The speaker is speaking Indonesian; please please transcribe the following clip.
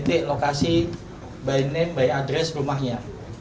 ketitik lokasi by name by address rumahnya